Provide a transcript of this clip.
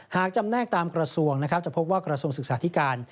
หากจำแนกตามกระทรวงนะครับจะพบว่ากระทรวงศึกษาธิการ